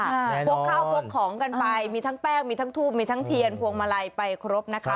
ใช่พกข้าวพกของกันไปมีทั้งแป้งมีทั้งทูบมีทั้งเทียนพวงมาลัยไปครบนะคะ